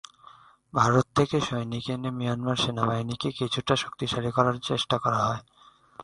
ভারত থেকে সৈনিক এনে মিয়ানমার সেনাবাহিনীকে কিছুটা শক্তিশালী করার চেষ্টা করা হয়।